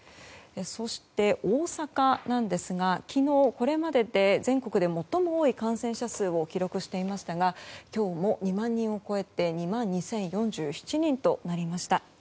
そして、大阪なんですが昨日、これまでで全国で最も多い感染者数を記録していましたが今日も２万人を超えて２万２０４７人となりました。